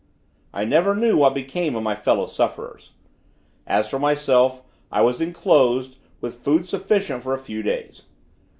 I never knew what became of my fellow sufferers. As for myself, I was enclosed, with food sufficient for a few days.